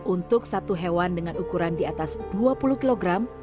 untuk satu hewan dengan ukuran di atas dua puluh kilogram